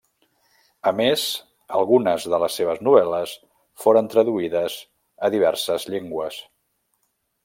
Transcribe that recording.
A més, algunes de les seves novel·les foren traduïdes a diverses llengües.